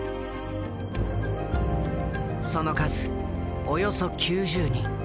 その数およそ９０人。